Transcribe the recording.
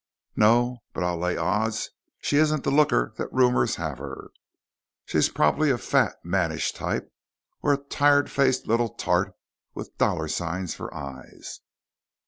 "No, but I'll lay odds she isn't the looker the rumors have her. She's probably a fat, mannish type or a tired faced little tart with dollar signs for eyes."